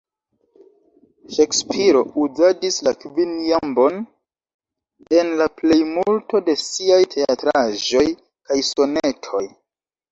Ŝekspiro uzadis la kvinjambon en la plejmulto de siaj teatraĵoj kaj sonetoj.